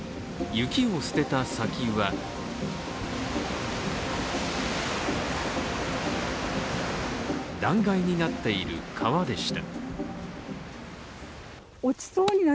雪を捨てた先は断崖になっている川でした。